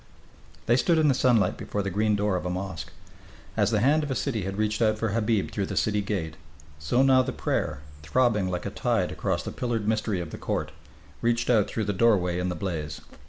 They stood in the sunlight before the green door of a mosque. As the hand of the city had reached out for Habib through the city gate, so now the prayer, throbbing like a tide across the pillared mystery of the court, reached out through the doorway in the blaze....